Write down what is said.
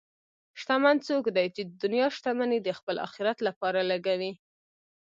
شتمن څوک دی چې د دنیا شتمني د خپل آخرت لپاره لګوي.